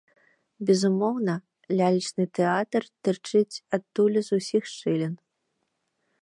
Безумоўна, лялечны тэатр тырчыць адтуль з усіх шчылін!